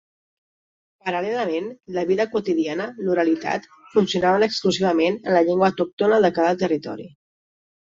Paral·lelament, la vida quotidiana, l'oralitat, funcionaven exclusivament en la llengua autòctona de cada territori.